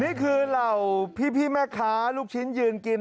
นี่คือเหล่าพี่แม่ค้าลูกชิ้นยืนกิน